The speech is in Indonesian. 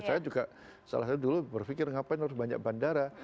saya juga salah satu dulu berpikir ngapain harus banyak bandara